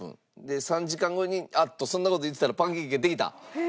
で３時間後にあっとそんな事言ってたらパンケーキができた？